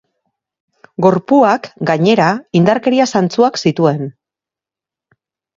Gorpuak, gainera, indarkeria zantzuak zituen.